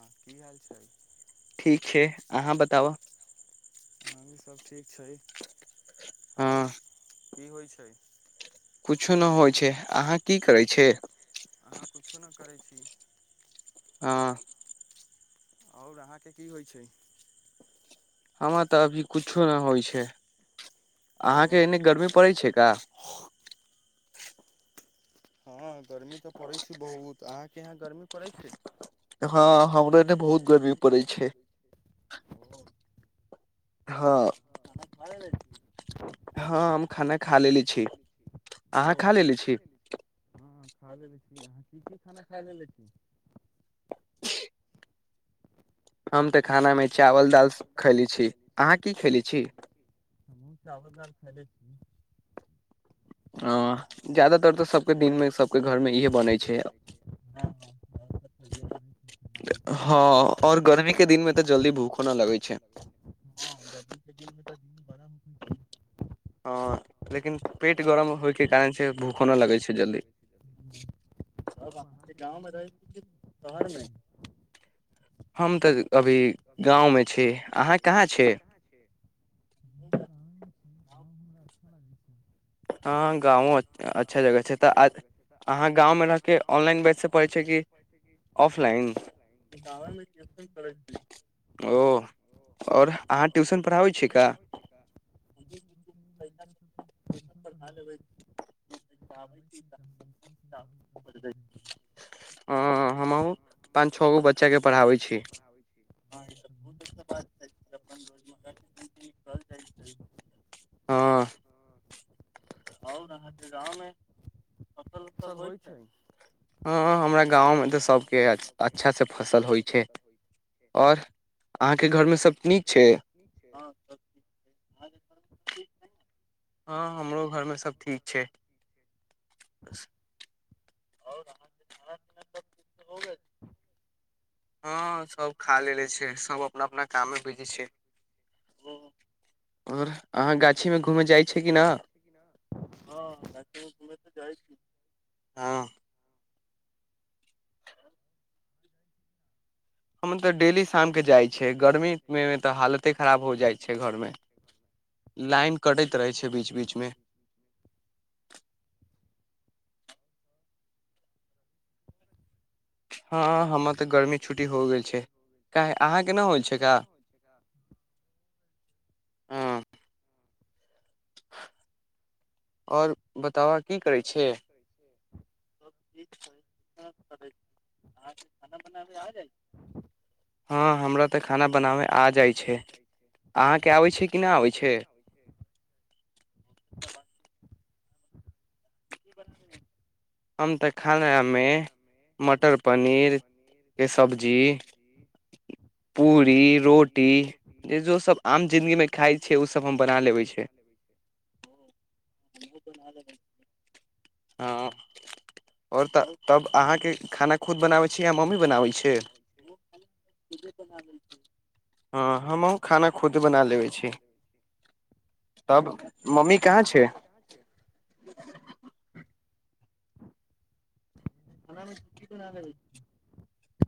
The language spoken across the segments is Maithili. हँ की हाल छै [unintelligible] [inaudible] अहाँ बताब हँ सब ठीक छै आओर की होइत छै कुछो नहि होइ छै अहाँ की करै छै अहाँ किछो नहि करै छी हँ आओर अहाँके की होइत छै हमरा तऽ अभी किुछो नहि होइ छै अहाँके एने गर्मी पड़ै छै का हँ गर्मी तऽ पड़ैत छै बहुत अहाँके यहाँ गर्मी पड़ैत छै हँ हम त हमर बहुत गर्बी पड़ै छै हँ हँ हम खाना खाालल छी ह कीी खाना खा लेल छी हम तऽ खाना मे चावल दाल खैले छी अहाँ की खले छी जादातर तऽ सबके दिन मे सबके घर मे इहे बनै छै हँ और गर्मी के दिन मे तऽ जल्दी भूखो नहि लगै छै [inaudible] ह लेकिन पेट गरम होयके कारण छै भूखो नहि लगै छै जल्दी हम तऽ अभी गाँव मे छै अहाँ कहाँ छै गाँ हमरा अच्छा लागै छै हँ गाँवो अच्छा जगह छै तऽ अहाँ गाँवमे रहिके ऑनलाइन बैज पड़ै छै कि ऑफलाइन गमेन ओ आओर अहाँ ट्यूशन पढ़ाबै छियै का हँ हमहुूँ पाँच छओ गो बच्चाकेँ पढ़ाबै छी हँ ई त बहुत अच्छा बात छै जे अपन रोजमर्राके कन्टिन्यू करल जाइत छै आ अहाँ गाँवमे सभ होइ छै हँ हमरा अ अ ब हँ हमरो घरमे सभ ठीक छै बस आाना सब ह हँ सब खा लेलेे छै सब अपना अपना काममे भेजै छै आओर अहाँ गाछी मे घूमे जाइ छीै किी न हा घ छी हँ ह हम ी जाइ छै गी ह ख ल क रहै छै ब बीच हँ हमर तऽ गर्मी छुट्टी हो गेल छै क अहाँ के नहि होल छै का ह आओर बताबा की करै छै हँ हमरा तऽ खाना बनाबै आ जाइत छै अहाँके आबै छै कि नहि आबै छै हमम त खानामे मटर पनीरके सब्जी पूरी रोटी जे जो सब आम जििनगीमे खाइ छियै ओ सब हम बना लेबै छ तओ ओ [inaudible]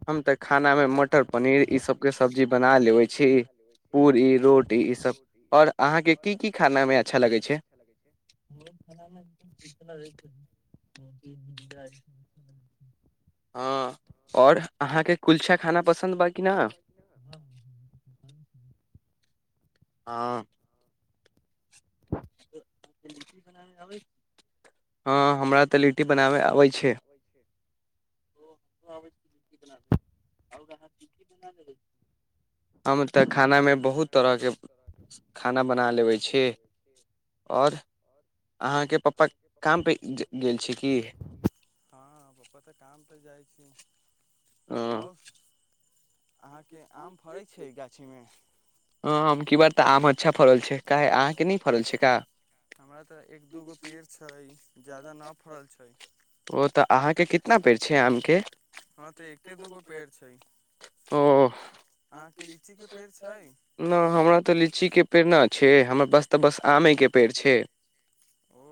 हम त ख मर पर सबी बना ले पू रोटी आओर अहाँके की की खानामे अच्छा लगै छै ह और अहाँके कुल्छा खाना प हँ बनाै हँ हमरा तऽ लिट्टी बनाबै अबै छै आाँ चिकीना लेलै आ तऽ खानामे बहुत तरहके खाना बना लेबै छी आओर अहाँके प्पा कामपर गेल छी कि हँ अहाँके आम फड़ैत छै गाछ ह हम की बात तऽ आम अच्छा फड़ल छै काह अहाँके नहि फड़ल छै का हमरा तऽ एक दूगो पेड़ छै ओ तऽ अहाँके के कितना पेड़ छै आमके हँ तऽ एके दूगो पेड़ छै तो ना हमरा तऽ लीचीे के पेड़ नऽ छै हमर पास तऽ बस आमे के पेड़ छै ओ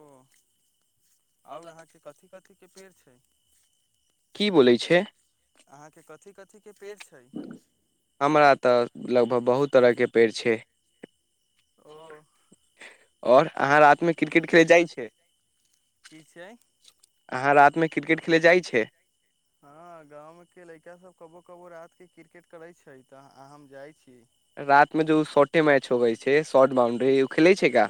आओर अहाँके कथी कथी के पेड़ छै की बोले छै के पेड़ छै लगभग बहुत तरह के पेड़ छै आओर अहाँ रात मे क्रिकेट खेले जाइ छै अहाँ रात मे क्रिकेट खेले जाइ छै हँ गाँव मे के लड़का सब कबो कबो रात के क्रिकेट करे छै तऽ हम जाइ छी रत मे जे शोर्टे मैच होबइ छै शोर्ट बाउंड्री खेलै छै का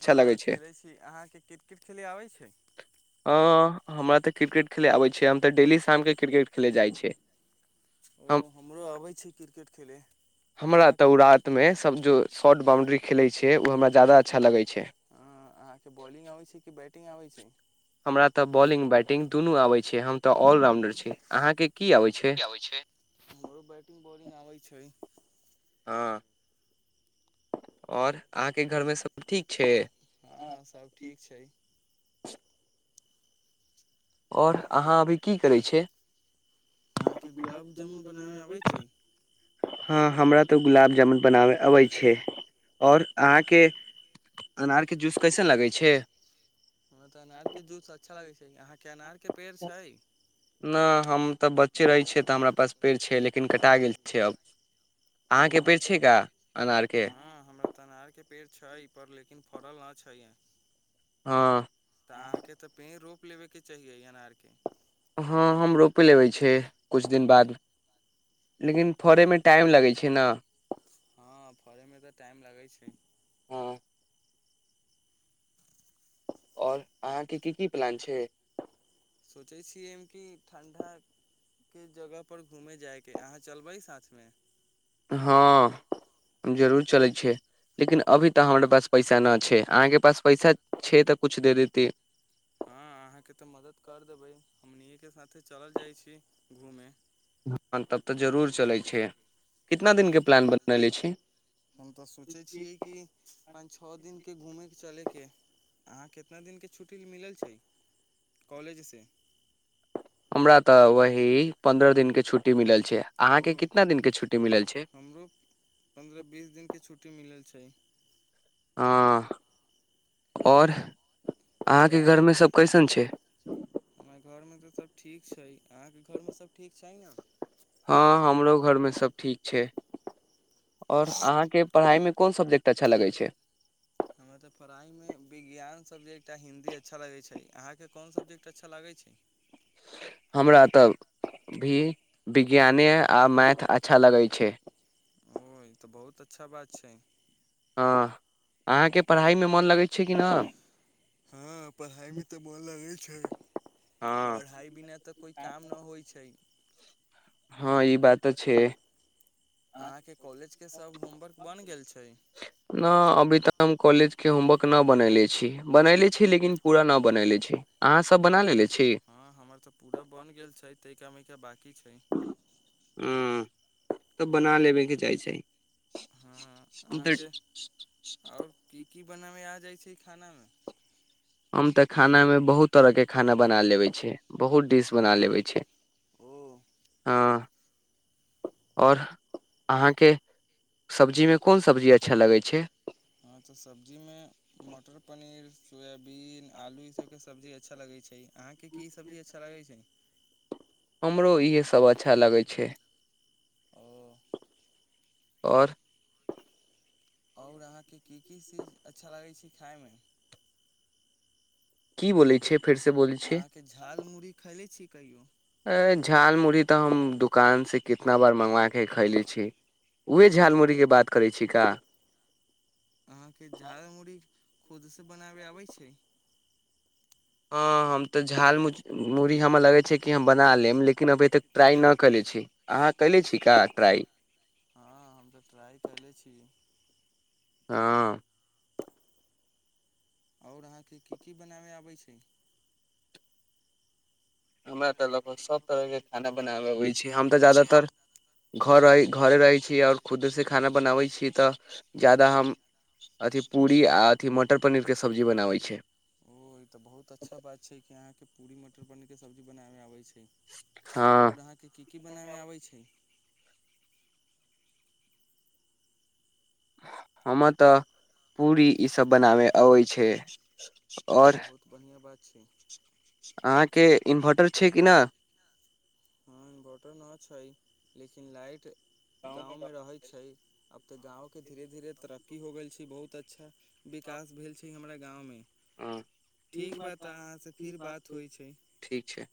हँ खेलै छी अहाँके क्रिकेट खेलय आबै छै हमरा तऽ क्रिकेट खेलै आबैत छै हम तऽ डेली शामके क्रिकेट खेलै जाइत छियै ओ हमरो आबै छै क्रिकेट खेलै हँ आहाँके बोलिंग आबै छै की बेटींग केटिंग आबै छै हमरा तऽ बॉलिंग बैटिंग दुनू आबैत छै हम तऽ ऑलराउण्डर छी अहाँके की आबैत छै हमरो बैटिंग बॉलिंग आबै छै हँ आओर अहाँके घरमे सभ ठीक छै आओर अहाँ अभी की करै छै [unintelligible] हँ हमरा हँ त तऽ अनार के जूस अच्छा लागै छै केय आहाँ के अनार नहि हम तऽ बच्चे रहै छियै तऽ हमरा पास पेड़ छै लेकिन कटा गेल छै आब अहाँके पेड़ छै का अनारके पर लेकिन फड़ल नहि छै हँ तऽ अहाँके तऽ पेड़ रोप लेबेके चाहिए अनारके हँ हमरो प्लान छै किछु दिन बाद लेकिन फोरय मे टाइम लगै छै न हँ ओर अहाँके की की प्लान छै सोचै छिय हम कि ठण्डा के जगह पर घूमे जायके अहाँ चलबै साथमे हँ हम जरूर चलै छियै लेकिन अभी तक हमरा पास पैसा नहि छै अहाँके पास पैसा छै तऽ किछु देऽ देती हँ अहाँके तऽ मदद कर देबै हम नीक के साथे चलल जाइ छी घूमे हँ तब तऽ जरूर चलैत छै कितना दिनके प्लान बननेे छी हम तऽ सोचै छियै कि पाँच छओ दिनके घूमैके चलैके अहाँ कितना दिनके छुट्टी मिलल छै कॉलेजसँ हमरा तऽ वही पंन्द्रह दिनके छुट्टी मिलल छै ओ हमरो पन्द्रह बीस दिन के छुट्टी मिलल छै छै हँ आओर अहाँके घरमे सभ कैसन छै ठीक छै अहाँके घरमे सभ ठीक छै ने हँ हमरो घरमे सभ ठीक छै आओर अहाँके पढ़ाइमे कोन सब्जेक्ट अच्छा लगै छै हमरा तऽ पढ़ाइमे विज्ञान सबजेक्ट आ हिन्दी अच्छा लगै छै अहाँके कोन सबजेक्ट अच्छा लगै छै हमरा तऽ भी विज्ञाने आ मैथ अच्छा लगै छै बहुत अच्छा बात छै हँ अहाँके पढ़ाइमे मोन लगैत छै कि नहि हँ पढ़ाइमे तऽ मोन लगै छै पढ़ाइ बिना तऽ कोइ काम न होइ छै हँ ई बात तऽ छै न अभी तऽ हम कॉलेज के होमवर्क नहि बनैले छी बनैले छी लेकिन पूरा नहि बनयले छी अहाँसभ बना लेने छी हमर तऽ पूरा बन गेल छै तनिका मयिका बाकी हूँ तऽ बना लेबे के चाही छै हँ अहाँके आओर की की की बनाबे आ जाइ छै खानामे हम तऽ खानामे बहुत तरहके खाना बना लेबै छियै बहुत डिश बना लेबै छियै ओ हँ आओर अहाँके सब्जीमे कोन सब्जी अच्छा लगै छै हँ तऽ सब्जीमे मटर पनीर सोयबीन आलू ई सबके सब्जी अच्छा लगै छै अहाँके की सब्जी अच्छा लगै छै हमरो इएहे सब अच्छा लगै छै आओर अहाँ के की की चीज अच्छा लागै छै खायमे की बोलैत छै अहाँके झाल मुरही खैले छी कहियौ अ झाल मुरही तऽ हम दोकानसँ कितना बार मङ्गवा कऽ खयले छी उएह झाल मुरहीके बात करै छीिका अहाँके झाल मुड़ी खुदसँ बनाबे आबै छै हँ हम तऽ झाल मू मुरही हमरा लगै छै कि हम बना लेब लेकिन अभी तक ट्राइ नहि कयने छी अहाँ कयले छी का ट्राइ ट्राइ कलये छी हँ आओर अहाँके की की बनाबय आबै छै हमरा तऽ लोक सब तरह के खाना बनावे अबै छी हम तऽ ज्यादातर घर रह घरे रहै छी आओर खुदसँ खाना बनाबै छी तऽ जााददा हम अथि पूरी आ अथि मटर पनीर के सब्जी बनाबै छै के सब्जी बनाय मे आबै छै आओर अहाँके की की बनाबै आबै छै हम तऽ पूरी इ सभ बनाबै अबै छै आओर ठीक छै हँ इनभर्टर न छै लेकिन लाइट गाँव मे रहैत छै अब तऽ गाँव के धीरे धीरे तरक्की हो गेल छै बहुत अच्छा विकास भेल छै हमरा गाँवमे हँ ठीक छै